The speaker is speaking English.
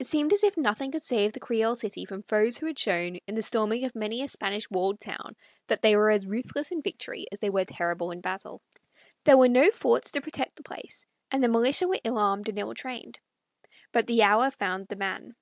It seemed as if nothing could save the Creole City from foes who had shown, in the storming of many a Spanish walled town, that they were as ruthless in victory as they were terrible in battle. There were no forts to protect the place, and the militia were ill armed and ill trained. But the hour found the man.